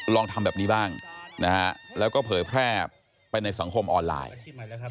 ลองทำแบบนี้บ้างนะฮะแล้วก็เผยแพร่ไปในสังคมออนไลน์